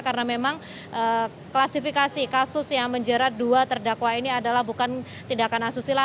karena memang klasifikasi kasus yang menjerat dua terdakwa ini adalah bukan tindakan asusila